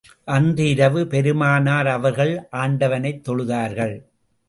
அன்று இரவு பெருமானார் அவர்கள் ஆண்டவனைத் தொழுதார்கள்.